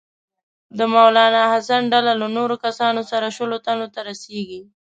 د مولنا حسن ډله له نورو کسانو سره شلو تنو ته رسیږي.